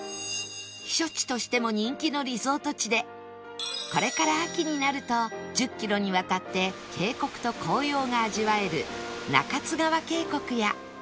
避暑地としても人気のリゾート地でこれから秋になると１０キロにわたって渓谷と紅葉が味わえる中津川渓谷や